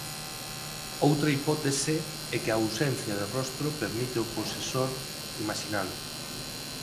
Outra hipótese é que a ausencia de rostro permite ó posesor imaxinalo.